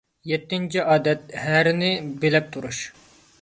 يەتتىنچى ئادەت، ھەرىنى بىلەپ تۇرۇش.